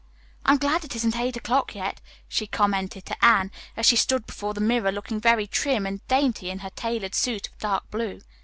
"I am glad it isn't eight o'clock yet," she commented to Anne, as she stood before the mirror looking very trim and dainty in her tailored suit of dark blue.